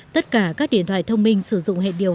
tất cả các điện thoại thông minh sử dụng hệ điều